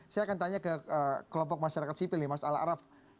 saya akan tanya ke kelompok masyarakat sipil nih mas al araf